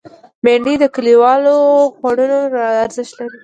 بېنډۍ د کلیوالو خوړونو ارزښت لري